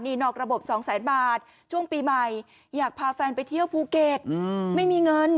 นี่นอกระบบสองแสนบาทช่วงปีใหม่อยากพาแฟนไปเที่ยวภูเก็ตไม่มีเงิน